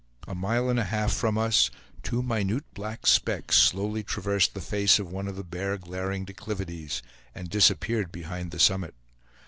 A mile and a half from us, two minute black specks slowly traversed the face of one of the bare glaring declivities, and disappeared behind the summit.